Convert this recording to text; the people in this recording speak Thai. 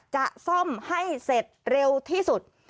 จะซ่อมให้เสร็จเร็วที่สุด